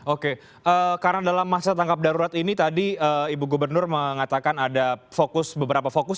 oke karena dalam masa tangkap darurat ini tadi ibu gubernur mengatakan ada beberapa fokus